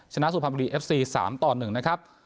ชนะสุภัณฑ์บริษัทธิ์เอฟซีสามต่อหนึ่งนะครับ